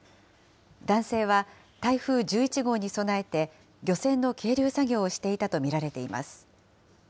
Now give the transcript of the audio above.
男性は台風１１号に備えて、漁船の係留作業をしていたと見られています。